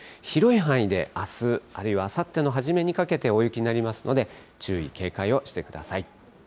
広い範囲であす、あるいはあさっての初めにかけて、大雪になりますので、注意、警戒をしてください。